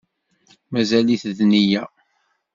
Mazal-it d-nniya